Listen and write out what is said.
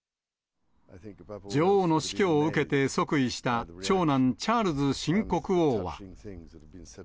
女王の死去を受けて即位した、長男、チャールズ新国王は。